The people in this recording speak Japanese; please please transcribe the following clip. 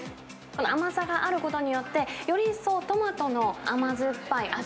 この甘さがあることによって、より一層、トマトの甘酸っぱい味